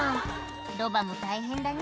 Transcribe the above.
ロバも大変だね